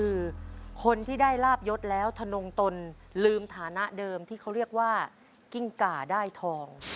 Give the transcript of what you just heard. คือคนที่ได้ลาบยศแล้วทนงตนลืมฐานะเดิมที่เขาเรียกว่ากิ้งก่าได้ทอง